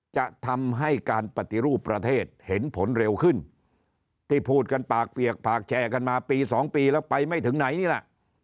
จะทำให้การปฏิรูปประเทศเห็นผลเร็วขึ้นที่พูดกันปากเปียกปากแชร์กันมาปี๒ปีแล้วไปไม่ถึงไหนนี่แหละ